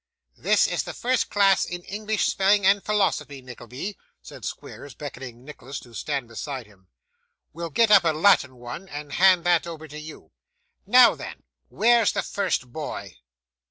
'This is the first class in English spelling and philosophy, Nickleby,' said Squeers, beckoning Nicholas to stand beside him. 'We'll get up a Latin one, and hand that over to you. Now, then, where's the first boy?